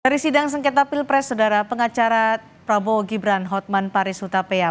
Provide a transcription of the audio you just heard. dari sidang sengketa pilpres saudara pengacara prabowo gibran hotman paris hutapea